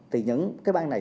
thì những cái bang này